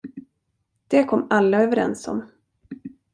Det kom alla överens om.